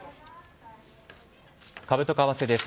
株と為替です。